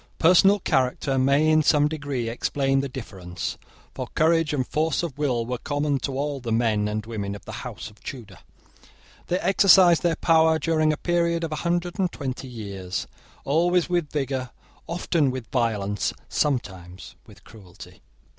Personal character may in some degree explain the difference; for courage and force of will were common to all the men and women of the House of Tudor. They exercised their power during a period of a hundred and twenty years, always with vigour, often with violence, sometimes with cruelty.